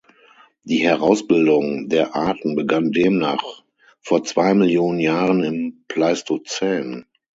Die Herausbildung der Arten begann demnach vor zwei Millionen Jahren im Pleistozän.